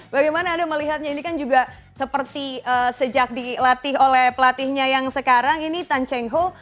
bagaimana anda melihatnya ini kan juga seperti sejak dilatih oleh pelatihnya yang sekarang ini tan cheng ho